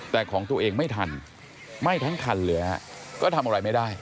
แต่ของตัวเองไม่ทันไหม้ทั้งคันเลยฮะก็ทำอะไรไม่ได้